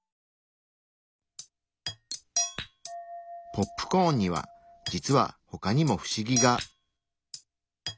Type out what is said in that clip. ポップコーンには実は他にも不思議が。